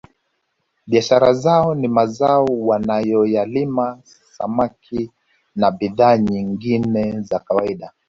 Biashara zao ni mazao wanayoyalima samaki na bidhaa nyingine za kawaida